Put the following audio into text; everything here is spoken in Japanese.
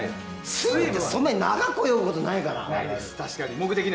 スイムってそんなに長く泳ぐことないから。